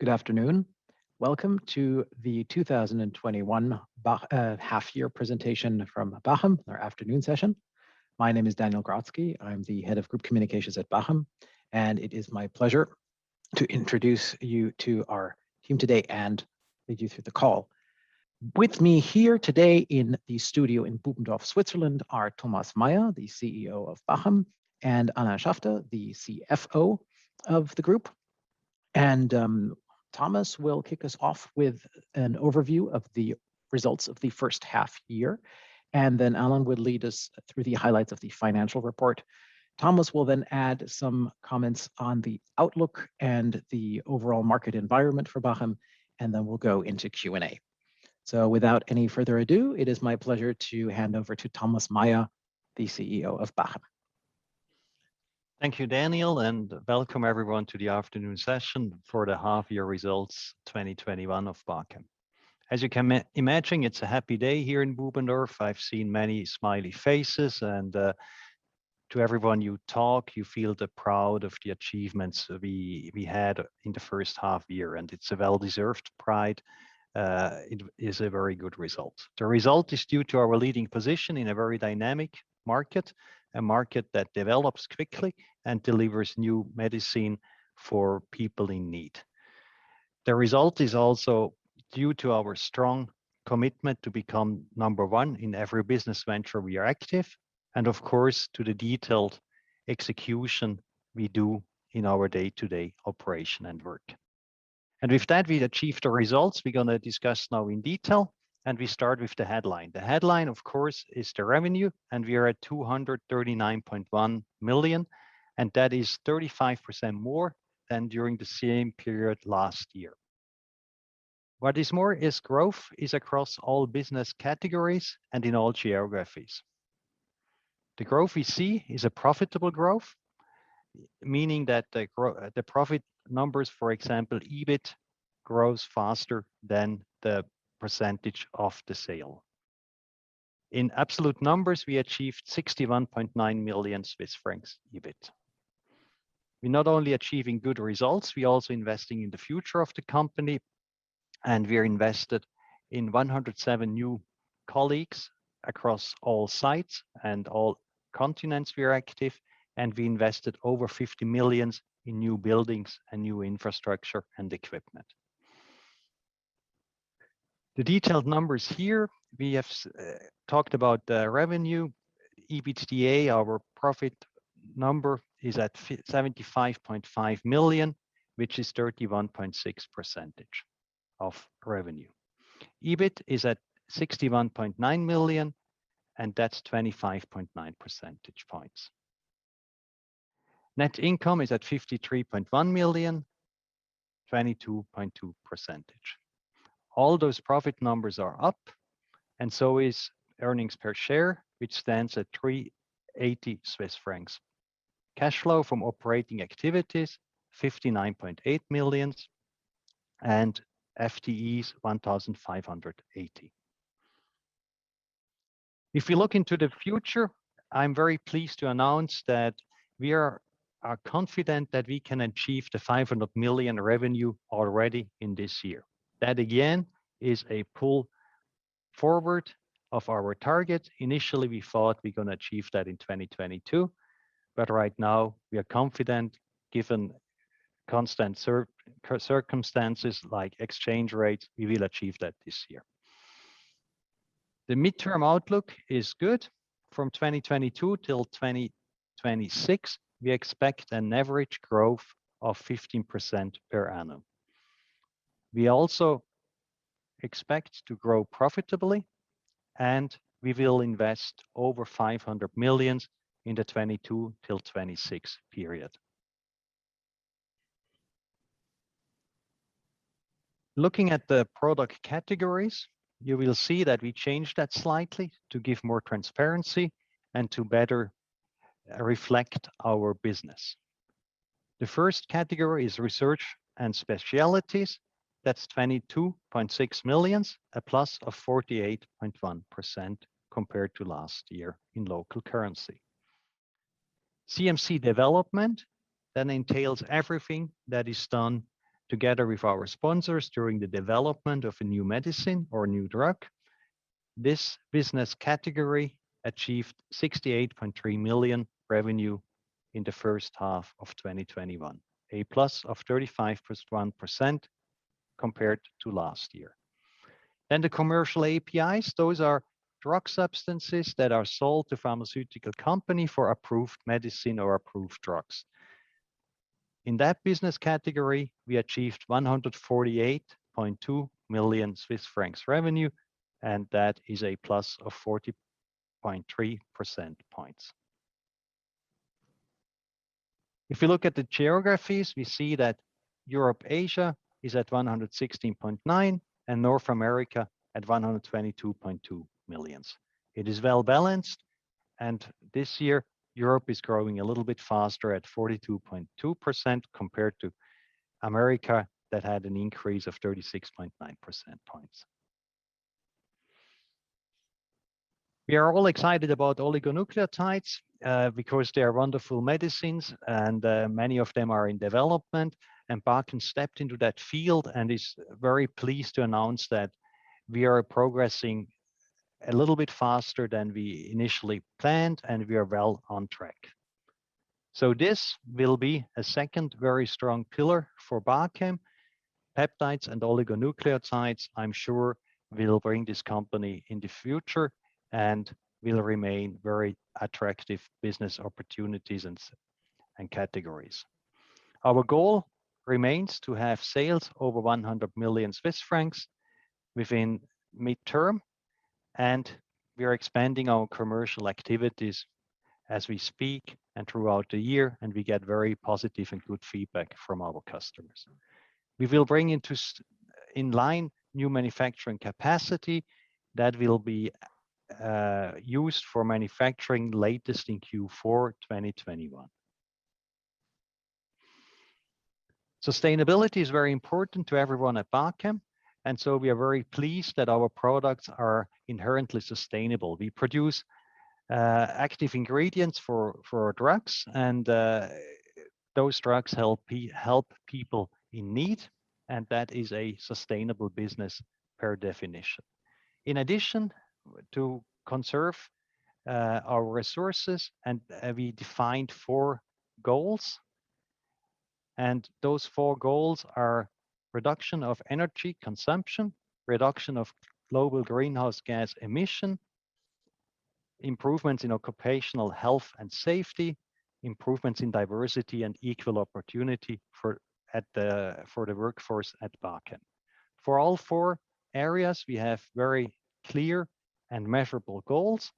Good afternoon. Welcome to the 2021 half-year presentation from Bachem, our afternoon session. My name is Daniel Grotzky. I'm the Head of Group Communications at Bachem, and it is my pleasure to introduce you to our team today and lead you through the call. With me here today in the studio in Bubendorf, Switzerland, are Thomas Meier, the CEO of Bachem, and Alain Schaffter, the CFO of the group. Thomas will kick us off with an overview of the results of the first half-year, and then Alain will lead us through the highlights of the financial report. Thomas will then add some comments on the outlook and the overall market environment for Bachem, and then we'll go into Q&A. Without any further ado, it is my pleasure to hand over to Thomas Meier, the CEO of Bachem. Thank you, Daniel, and welcome everyone to the afternoon session for the half-year results 2021 of Bachem. As you can imagine, it's a happy day here in Bubendorf. I've seen many smiley faces, and to everyone you talk, you feel the proud of the achievements we had in the first half-year, and it's a well-deserved pride. It is a very good result. The result is due to our leading position in a very dynamic market, a market that develops quickly and delivers new medicine for people in need. The result is also due to our strong commitment to become number one in every business venture we are active, and of course, to the detailed execution we do in our day-to-day operation and work. With that, we achieved the results we're going to discuss now in detail, and we start with the headline. The headline, of course, is the revenue. We are at 239.1 million, and that is 35% more than during the same period last year. What is more is growth is across all business categories and in all geographies. The growth we see is a profitable growth, meaning that the profit numbers, for example, EBIT, grows faster than the % of the sale. In absolute numbers, we achieved 61.9 million Swiss francs EBIT. We're not only achieving good results, we're also investing in the future of the company. We're invested in 107 new colleagues across all sites and all continents we are active, and we invested over 50 million in new buildings and new infrastructure and equipment. The detailed numbers here, we have talked about the revenue. EBITDA, our profit number, is at 75.5 million, which is 31.6% of revenue. EBIT is at 61.9 million, and that's 25.9 percentage points. Net income is at 53.1 million, 22.2%. All those profit numbers are up, and so is earnings per share, which stands at 380 Swiss francs. Cash flow from operating activities, 59.8 million, and FTEs 1,580. If you look into the future, I'm very pleased to announce that we are confident that we can achieve the 500 million revenue already in this year. That, again, is a pull forward of our target. Initially, we thought we're going to achieve that in 2022. Right now, we are confident, given constant circumstances like exchange rates, we will achieve that this year. The midterm outlook is good. From 2022 till 2026, we expect an average growth of 15% per annum. We also expect to grow profitably, and we will invest over 500 million in the 2022-2026 period. Looking at the product categories, you will see that we changed that slightly to give more transparency and to better reflect our business. The first category is Research & Specialties. That's 22.6 million, a plus of 48.1% compared to last year in local currency. CMC development, that entails everything that is done together with our sponsors during the development of a new medicine or a new drug. This business category achieved 68.3 million revenue in the first half of 2021, a plus of 35.1% compared to last year. The commercial APIs, those are drug substances that are sold to pharmaceutical company for approved medicine or approved drugs. In that business category, we achieved 148.2 million Swiss francs revenue, and that is a plus of 40.3 percentage points. If you look at the geographies, we see that Europe/Asia is at 116.9 million and North America at 122.2 million. It is well-balanced, and this year, Europe is growing a little bit faster at 42.2% compared to America that had an increase of 36.9 percentage points. We are all excited about oligonucleotides because they are wonderful medicines and many of them are in development, and Bachem stepped into that field and is very pleased to announce that we are progressing a little bit faster than we initially planned, and we are well on track. This will be a second very strong pillar for Bachem, peptides and oligonucleotides, I'm sure will bring this company in the future and will remain very attractive business opportunities and categories. Our goal remains to have sales over 100 million Swiss francs within midterm, and we are expanding our commercial activities as we speak and throughout the year, and we get very positive and good feedback from our customers. We will bring in line new manufacturing capacity that will be used for manufacturing latest in Q4 2021. Sustainability is very important to everyone at Bachem. We are very pleased that our products are inherently sustainable. We produce active ingredients for our drugs and those drugs help people in need. That is a sustainable business per definition. In addition, to conserve our resources and we defined four goals. Those four goals are reduction of energy consumption, reduction of global greenhouse gas emission, improvements in occupational health and safety, improvements in diversity and equal opportunity for the workforce at Bachem. For all four areas, we have very clear and measurable goals.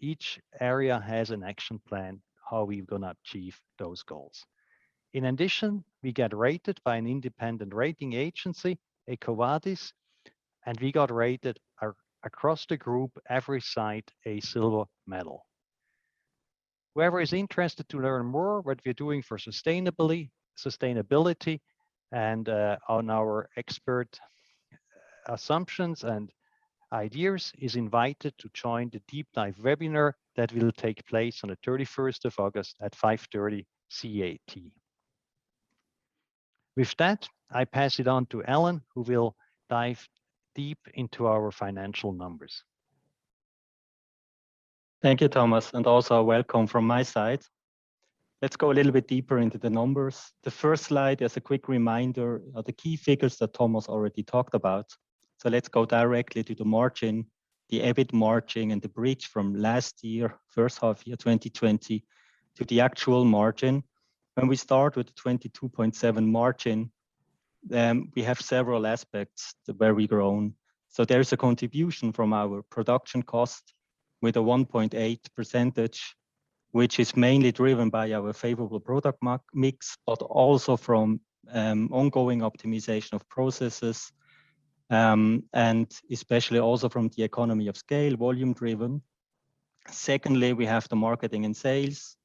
Each area has an action plan how we're going to achieve those goals. In addition, we get rated by an independent rating agency, EcoVadis, and we got rated across the group, every site, a silver medal. Whoever is interested to learn more what we're doing for sustainability and on our expert assumptions and ideas is invited to join the deep dive webinar that will take place on the 31st of August at 5:30 CET. With that, I pass it on to Alain Schaffter, who will dive deep into our financial numbers. Thank you, Thomas, and also welcome from my side. Let's go a little bit deeper into the numbers. The first slide as a quick reminder of the key figures that Thomas already talked about. Let's go directly to the margin, the EBIT margin, and the bridge from last year, first half year 2020, to the actual margin. When we start with the 22.7% margin, then we have several aspects where we grown. There is a contribution from our production cost with a 1.8%, which is mainly driven by our favorable product mix, but also from ongoing optimization of processes, and especially also from the economy of scale, volume-driven. Secondly, we have the marketing and sales,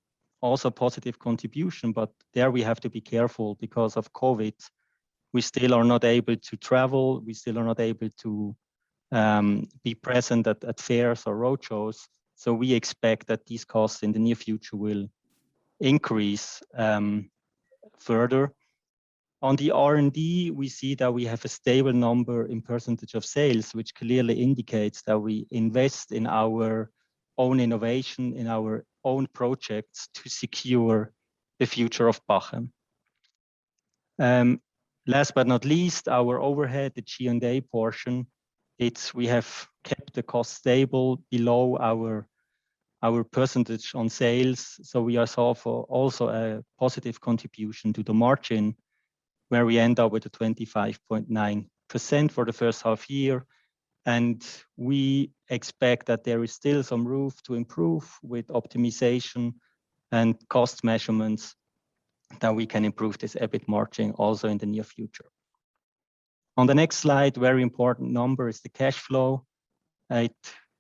also positive contribution, but there we have to be careful because of COVID. We still are not able to travel, we still are not able to be present at fairs or roadshows. We expect that these costs in the near future will increase further. On the R&D, we see that we have a stable number in % of sales, which clearly indicates that we invest in our own innovation, in our own projects to secure the future of Bachem. Last but not least, our overhead, the G&A portion, we have kept the cost stable below our percentage on sales. We are also a positive contribution to the margin where we end up with a 25.9% for the first half year, and we expect that there is still some room to improve with optimization and cost measurements that we can improve this EBIT margin also in the near future. On the next slide, very important number is the cash flow. It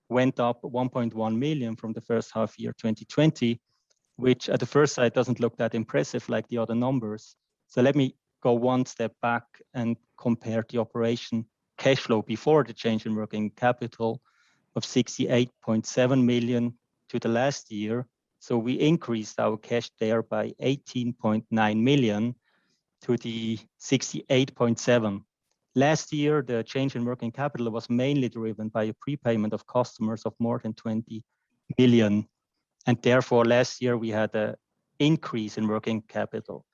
went up 1.1 million from the first half year 2020, which at the first sight doesn't look that impressive like the other numbers. Let me go one step back and compare the operation cash flow before the change in working capital of 68.7 million to the last year. We increased our cash there by 18.9 million to the 68.7 million. Last year, the change in working capital was mainly driven by a prepayment of customers of more than 20 million, therefore last year we had an increase in working capital.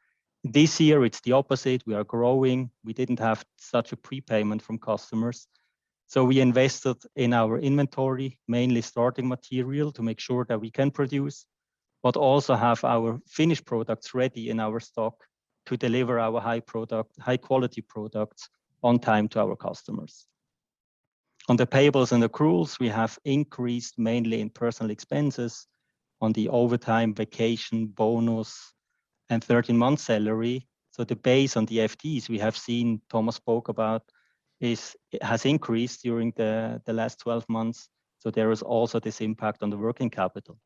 This year it's the opposite. We are growing. We didn't have such a prepayment from customers, we invested in our inventory, mainly starting material to make sure that we can produce, but also have our finished products ready in our stock to deliver our high-quality products on time to our customers. On the payables and accruals, we have increased mainly in personnel expenses on the overtime, vacation, bonus, and 13-month salary. The base on the FTEs we have seen Thomas spoke about has increased during the last 12 months. There is also this impact on the working capital.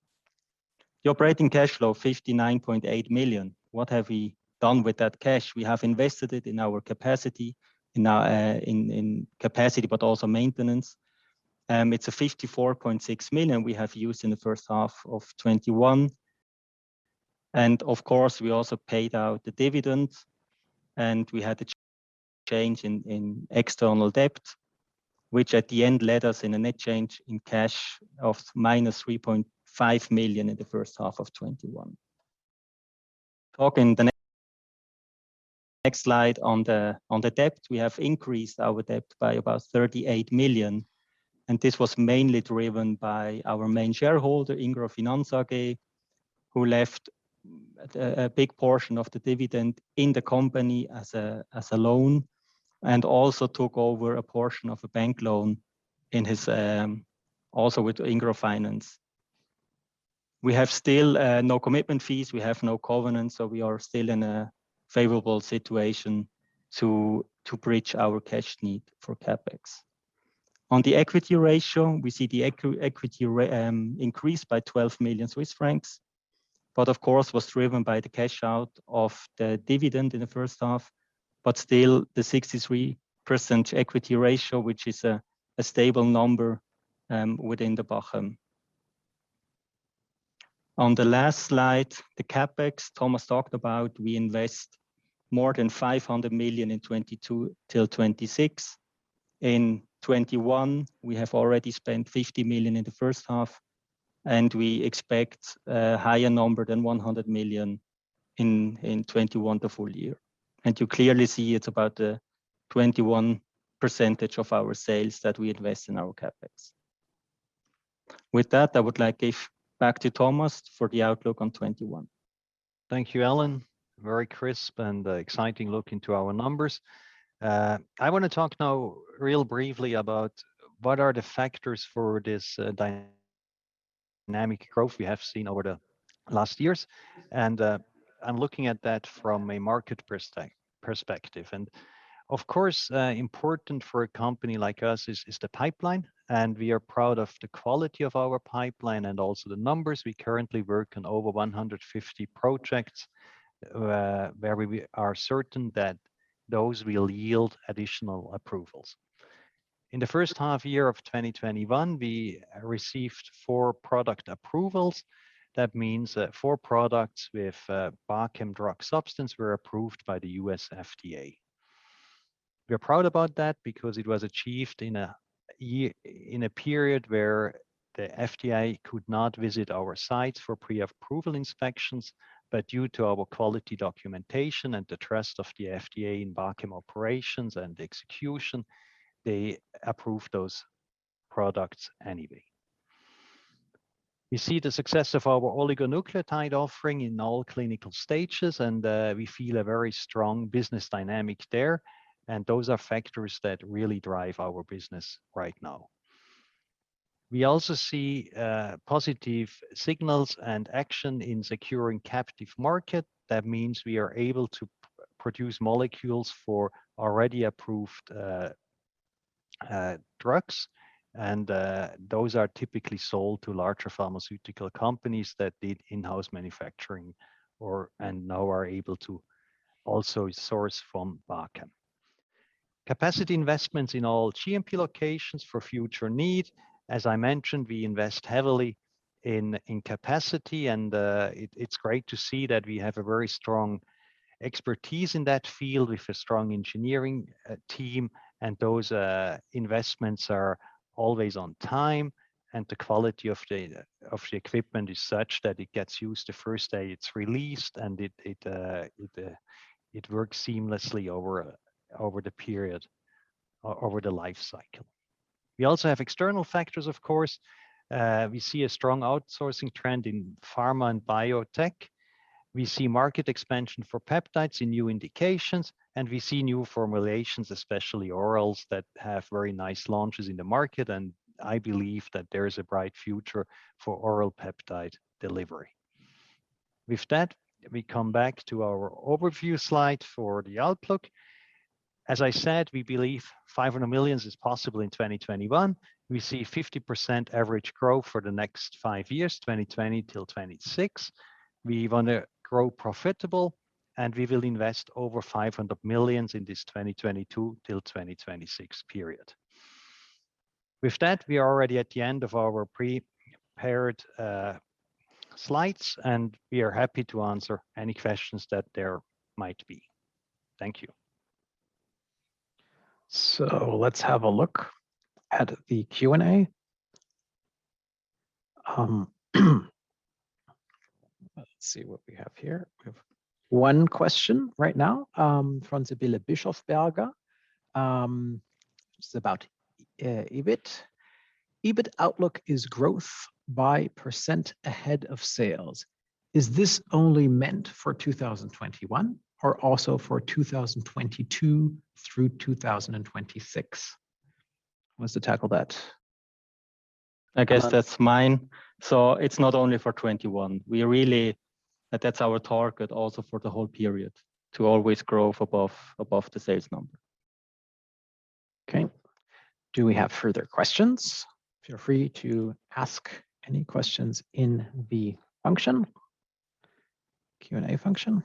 The operating cash flow, 59.8 million. What have we done with that cash? We have invested it in our capacity, but also maintenance. It's a 54.6 million we have used in the first half of 2021. Of course, we also paid out the dividends, and we had a change in external debt, which at the end led us in a net change in cash of -3.5 million in the first half of 2021. Talking the next slide on the debt, we have increased our debt by about 38 million, and this was mainly driven by our main shareholder, Ingro Finanz AG, who left a big portion of the dividend in the company as a loan and also took over a portion of a bank loan also with Ingro Finanz. We have still no commitment fees. We have no covenants, so we are still in a favorable situation to bridge our cash need for CapEx. On the equity ratio, we see the equity increased by 12 million Swiss francs, but of course, was driven by the cash out of the dividend in the first half, but still the 63% equity ratio, which is a stable number within the Bachem. On the last slide, the CapEx Thomas talked about, we invest more than 500 million in 2022-2026. In 2021, we have already spent 50 million in the first half, we expect a higher number than 100 million in 2021, the full year. You clearly see it's about the 21% of our sales that we invest in our CapEx. With that, I would like give back to Thomas for the outlook on 2021. Thank you, Alain. Very crisp and exciting look into our numbers. I want to talk now real briefly about what are the factors for this dynamic growth we have seen over the last years, and I am looking at that from a market perspective. Of course, important for a company like us is the pipeline, and we are proud of the quality of our pipeline and also the numbers. We currently work on over 150 projects where we are certain that those will yield additional approvals. In the first half year of 2021, we received four product approvals. That means that four products with Bachem drug substance were approved by the U.S. FDA. We are proud about that because it was achieved in a period where the FDA could not visit our sites for pre-approval inspections, but due to our quality documentation and the trust of the FDA in Bachem operations and execution, they approved those products anyway. We see the success of our oligonucleotide offering in all clinical stages, and we feel a very strong business dynamic there, and those are factors that really drive our business right now. We also see positive signals and action in securing captive market. That means we are able to produce molecules for already approved drugs, and those are typically sold to larger pharmaceutical companies that did in-house manufacturing and now are able to also source from Bachem. Capacity investments in all GMP locations for future need. As I mentioned, we invest heavily in capacity. It's great to see that we have a very strong expertise in that field with a strong engineering team. Those investments are always on time. The quality of the equipment is such that it gets used the first day it's released and it works seamlessly over the period, over the life cycle. We also have external factors, of course. We see a strong outsourcing trend in pharma and biotech. We see market expansion for peptides in new indications. We see new formulations, especially orals, that have very nice launches in the market. I believe that there is a bright future for oral peptide delivery. With that, we come back to our overview slide for the outlook. As I said, we believe 500 million is possible in 2021. We see 50% average growth for the next 5 years, 2020 till 2026. We want to grow profitable, and we will invest over 500 million in this 2022 till 2026 period. With that, we are already at the end of our prepared slides, and we are happy to answer any questions that there might be. Thank you. Let's have a look at the Q&A. Let's see what we have here. We have one question right now from Sibylle Bischofberger. It's about EBIT. EBIT outlook is growth by % ahead of sales. Is this only meant for 2021 or also for 2022 through 2026? Who wants to tackle that? I guess that's mine. It's not only for 2021. That's our target also for the whole period, to always grow above the sales number. Okay. Do we have further questions? Feel free to ask any questions in the Q&A function.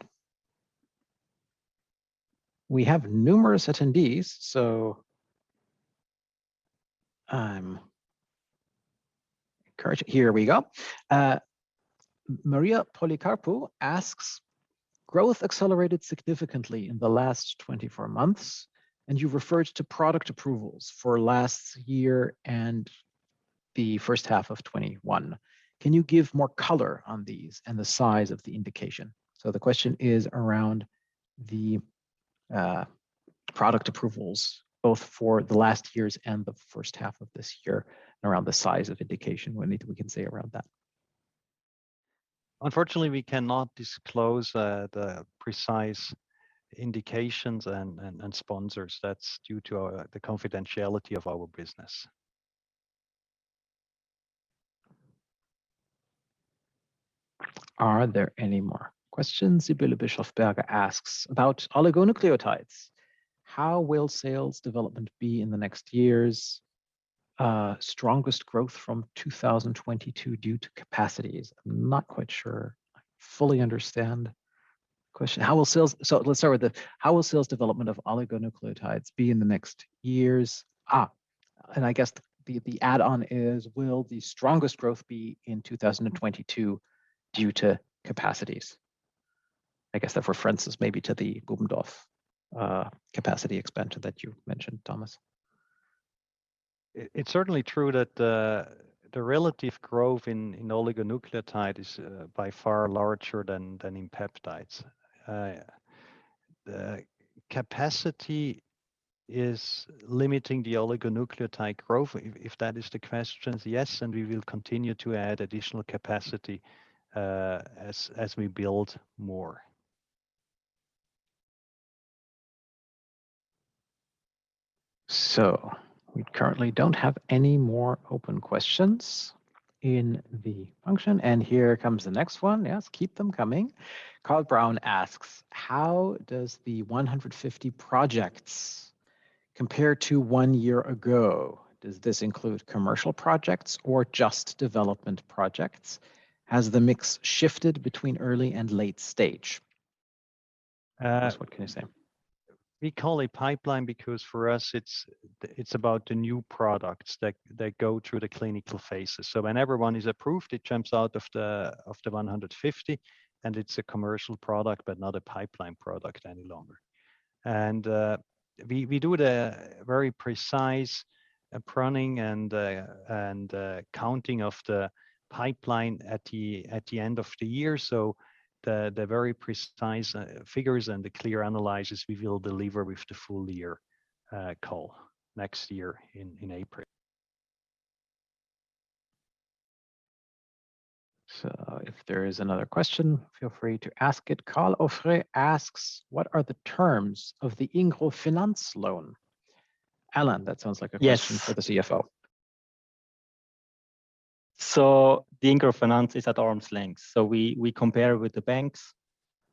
We have numerous attendees, so I'm encouraged. Here we go. Maria Policarpo asks, "Growth accelerated significantly in the last 24 months, and you referred to product approvals for last year and the first half of 2021. Can you give more color on these and the size of the indication?" The question is around the product approvals, both for the last years and the first half of this year, and around the size of indication, what we can say around that. Unfortunately, we cannot disclose the precise indications and sponsors. That's due to the confidentiality of our business. Are there any more questions? Sibylle Bischofberger asks about oligonucleotides. "How will sales development be in the next years? Strongest growth from 2022 due to capacities?" I'm not quite sure I fully understand the question. Let's start with the, "How will sales development of oligonucleotides be in the next years?" I guess the add-on is, will the strongest growth be in 2022 due to capacities? I guess the reference is maybe to the Bubendorf capacity expansion that you mentioned, Thomas. It's certainly true that the relative growth in oligonucleotide is by far larger than in peptides. The capacity is limiting the oligonucleotide growth. If that is the question, yes, and we will continue to add additional capacity as we build more. We currently don't have any more open questions in the function, and here comes the next one. Yes, keep them coming. Carl Brown asks, "How does the 150 projects compare to one year ago? Does this include commercial projects or just development projects? Has the mix shifted between early and late stage?" Thomas, what can you say? We call it pipeline because for us, it's about the new products that go through the clinical phases. Whenever one is approved, it jumps out of the 150, and it's a commercial product but not a pipeline product any longer. We do the very precise pruning and counting of the pipeline at the end of the year, so the very precise figures and the clear analysis we will deliver with the full-year call next year in April. If there is another question, feel free to ask it. Carl Auffret asks, "What are the terms of the Ingro Finanz loan?" Alain, that sounds like a question- Yes For the CFO. The Ingro Finanz is at arm's length. We compare with the banks.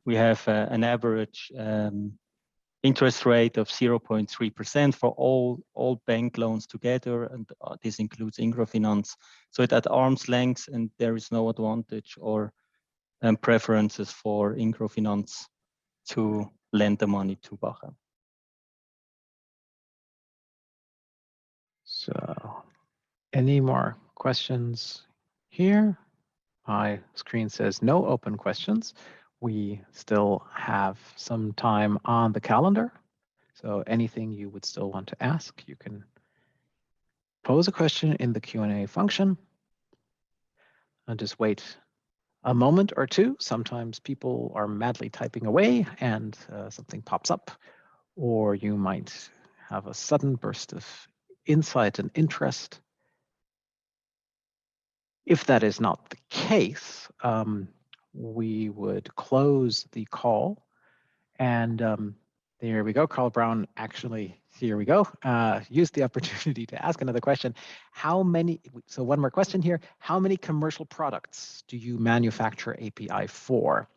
We have an average interest rate of 0.3% for all bank loans together, and this includes Ingro Finanz. It's at arm's length, and there is no advantage or preferences for Ingro Finanz to lend the money to Bachem. Any more questions here? My screen says, "No open questions." We still have some time on the calendar, so anything you would still want to ask, you can pose a question in the Q&A function. I'll just wait a moment or two. Sometimes people are madly typing away and something pops up, or you might have a sudden burst of insight and interest. If that is not the case, we would close the call and there we go. Carl Brown actually, here we go, used the opportunity to ask another question. One more question here. "How many commercial products do you manufacture API for?"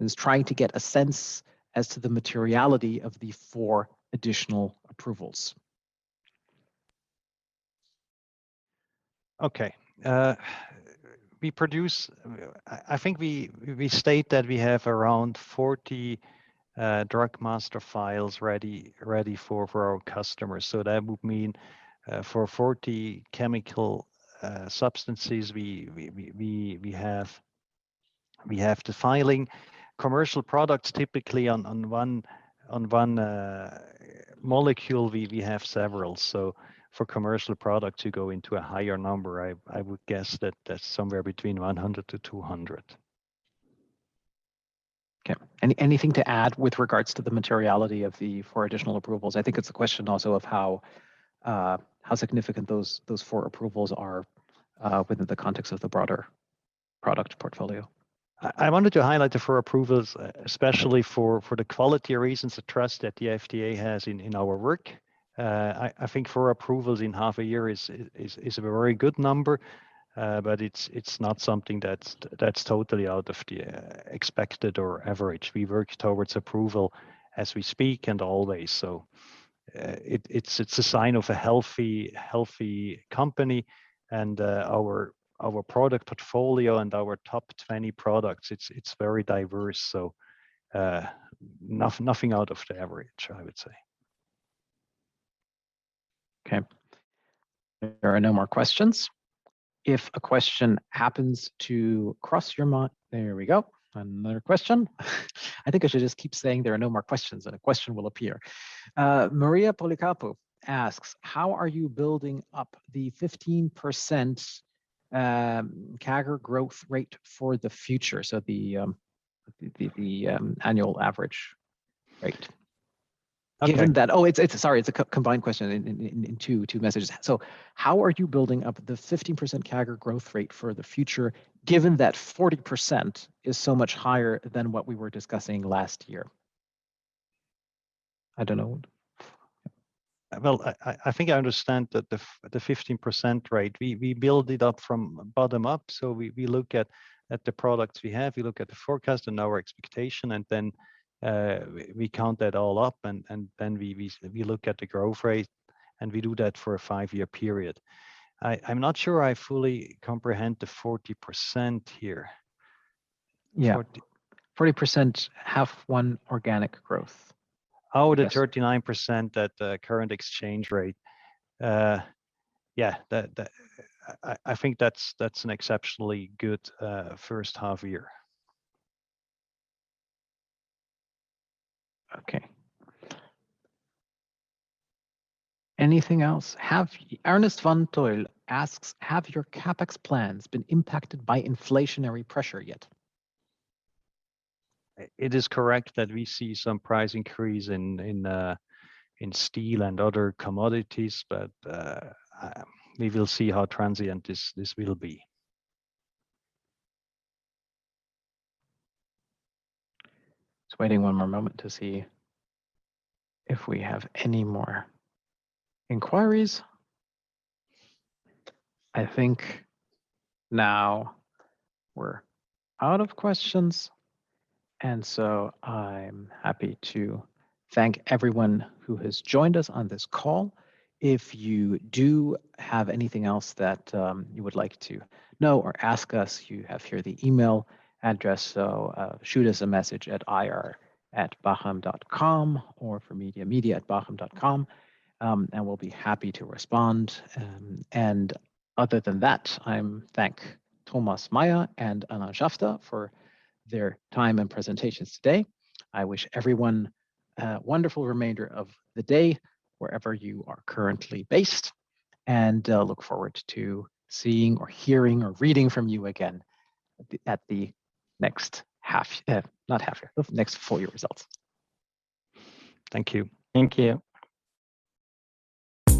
Is trying to get a sense as to the materiality of the four additional approvals. Okay. I think we state that we have around 40 Drug Master Files ready for our customers. That would mean, for 40 chemical substances, we have the filing. Commercial products, typically on one molecule, we have several. For commercial product to go into a higher number, I would guess that that's somewhere between 100-200. Okay. Anything to add with regards to the materiality of the four additional approvals? I think it's a question also of how significant those four approvals are within the context of the broader product portfolio. I wanted to highlight the four approvals, especially for the quality reasons, the trust that the FDA has in our work. I think four approvals in half a year is a very good number. It's not something that's totally out of the expected or average. We work towards approval as we speak and always. It's a sign of a healthy company and our product portfolio and our top 20 products, it's very diverse, so nothing out of the average, I would say. Okay. There are no more questions. If a question happens to cross your mind. There we go. Another question. I think I should just keep saying there are no more questions, and a question will appear. Maria Policarpo asks: How are you building up the 15% CAGR growth rate for the future? So the annual average rate. Okay. Sorry, it's a combined question in two messages. How are you building up the 15% CAGR growth rate for the future, given that 40% is so much higher than what we were discussing last year? I don't know. Well, I think I understand the 15% rate. We build it up from bottom up. We look at the products we have, we look at the forecast and our expectation, and then we count that all up, and then we look at the growth rate, and we do that for a five-year period. I'm not sure I fully comprehend the 40% here. Yeah. 40%, half one organic growth. Oh, the 39% at the current exchange rate. Yeah. I think that's an exceptionally good first half year. Okay. Anything else? Ernest Van Tuyl asks: Have your CapEx plans been impacted by inflationary pressure yet? It is correct that we see some price increase in steel and other commodities, but we will see how transient this will be. Just waiting one more moment to see if we have any more inquiries. I think now we're out of questions, and so I'm happy to thank everyone who has joined us on this call. If you do have anything else that you would like to know or ask us, you have here the email address, so shoot us a message at ir@bachem.com or for media@bachem.com, and we'll be happy to respond. Other than that, I thank Thomas Meier and Alain Schaffter for their time and presentations today. I wish everyone a wonderful remainder of the day wherever you are currently based, and look forward to seeing or hearing or reading from you again at the next full year results. Thank you. Thank you.